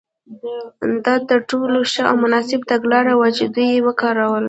دا تر ټولو ښه او مناسبه تګلاره وه چې دوی وکارول.